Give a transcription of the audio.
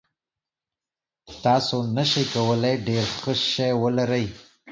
تاسو نشئ کولی ډیر ښه شی ولرئ.